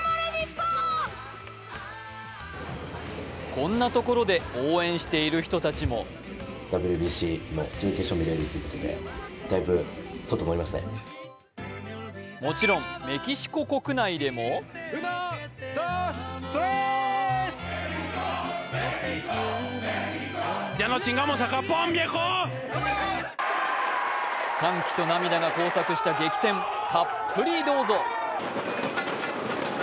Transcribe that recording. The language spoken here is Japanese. こんなところで応援している人たちももちろんメキシコ国内でも歓喜と涙が交錯した激戦、たっぷりどうぞ。